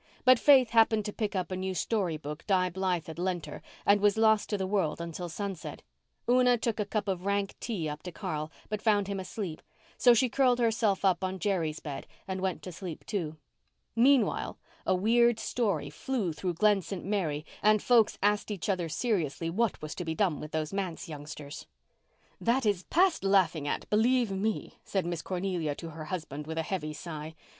But Faith happened to pick up a new story book Di Blythe had lent her and was lost to the world until sunset. Una took a cup of rank tea up to Carl but found him asleep; so she curled herself up on Jerry's bed and went to sleep too. Meanwhile, a weird story flew through Glen St. Mary and folks asked each other seriously what was to be done with those manse youngsters. "That is past laughing at, believe me," said Miss Cornelia to her husband, with a heavy sigh.